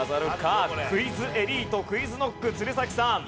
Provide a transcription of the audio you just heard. クイズエリートＱｕｉｚＫｎｏｃｋ鶴崎さん。